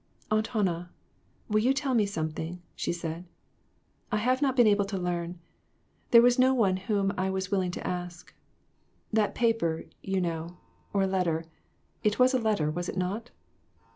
"Aunt Hannah, will you tell me some thing?" she said; "I have not been able to learn. There was no one whom I was willing to ask. That paper, you know, or letter it was a letter, was it not